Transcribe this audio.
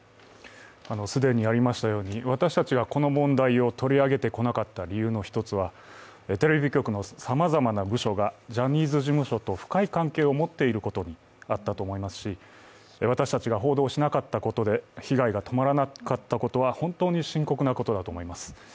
既にありましたように、私たちがこの問題を取り上げてこなかった理由は、テレビ局のさまざまな部署がジャニーズ事務所と深い関係を持っていることにあったと思いますし、私たちが報道しなかったことで被害が止まらなかったことは本当に深刻なことだと思います。